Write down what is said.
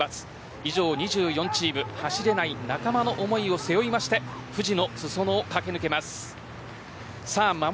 以上、２４チーム走れない仲間の思いを背負いまして富士の裾野を駆け抜けます。